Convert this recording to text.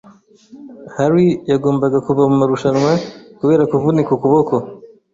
Harry yagombaga kuva mu marushanwa kubera kuvunika ukuboko.